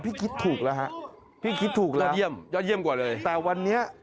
พี่คิดถูกแล้วฮะพี่คิดถูกแล้วแต่วันนี้ยอดเยี่ยมกว่าเลย